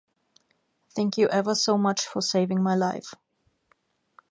Thank you ever so much for saving my life.